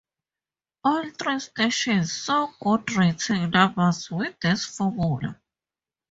All three stations saw good rating numbers with this formula.